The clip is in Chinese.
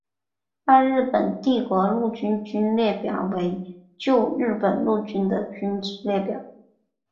大日本帝国陆军军列表为旧日本陆军的军之列表。